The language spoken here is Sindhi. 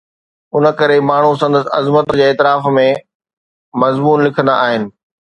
ان ڪري ماڻهو سندس عظمت جي اعتراف ۾ مضمون لکندا آهن.